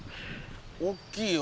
おっきいよ。